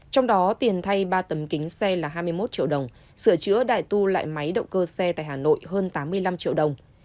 trong đó tiền thay ba tấm kính xe là hai mươi một triệu đồng sửa chữa đại tu lại máy động cơ xe tại hà nội hơn tám mươi năm triệu đồng